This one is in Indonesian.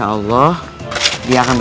bawa dia ke pen